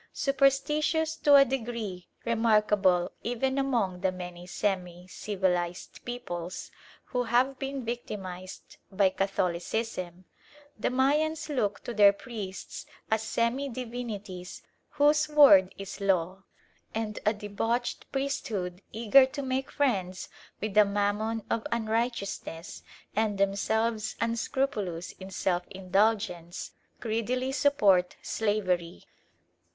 Superstitious to a degree remarkable even among the many semi civilised peoples who have been victimised by Catholicism, the Mayans look to their priests as semi divinities whose word is law; and a debauched priesthood, eager to make friends with the Mammon of Unrighteousness, and themselves unscrupulous in self indulgence, greedily support slavery.